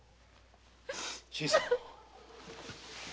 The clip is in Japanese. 新さん。